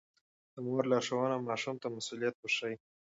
د مور لارښوونه ماشوم ته مسووليت ورښيي.